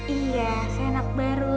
iya saya anak baru